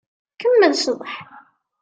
Kemmel ccḍeḥ.